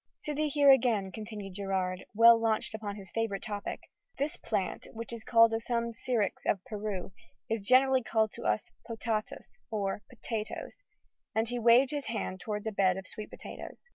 "Sithee here again," continued Gerard, well launched upon his favourite topic, "this plant, which is called of some Skyrrits of Peru, is generally called of us, Potatus or Potatoes," and he waved his hand towards a bed of sweet potatoes.